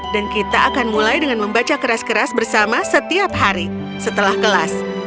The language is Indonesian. dan kita akan mulai dengan membaca keras keras bersama setiap hari setelah kelas